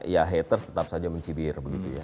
ya haters tetap saja mencibir